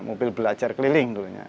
mobil belajar keliling dulunya